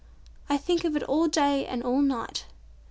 "I think of it all day and all night.